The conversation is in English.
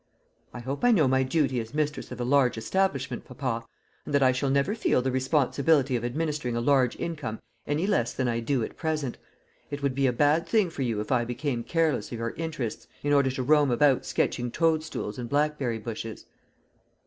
"I hope I know my duty as mistress of a large establishment, papa, and that I shall never feel the responsibility of administering a large income any less than I do at present. It would be a bad thing for you if I became careless of your interests in order to roam about sketching toadstools and blackberry bushes."